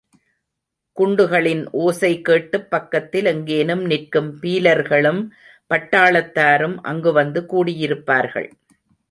குண்டுகளின் ஓசை கேட்டுப் பக்கத்தில் எங்கேனும் நிற்கும் பீலர்களும் பட்டாளத்தாரும் அங்கு வந்து கூடியிருப்பார்கள்.